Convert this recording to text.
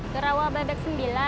ke rawa bebek sembilan